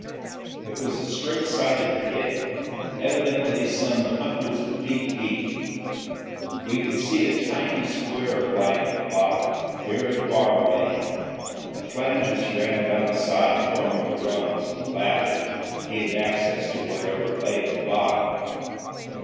It was a straight sided pit, evidently some hundreds of feet deep. We could see a tiny square of light at the bottom, very far away. The flanges ran down the side forming the rungs of a ladder that gave access to whatever lay at the bottom.